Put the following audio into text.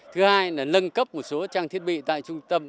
thứ hai là nâng cấp một số trang thiết bị tại trung tâm